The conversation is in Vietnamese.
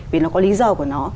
vì nó có lý do của nó